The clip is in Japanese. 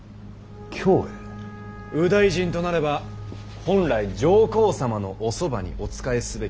右大臣となれば本来上皇様のおそばにお仕えすべきもの。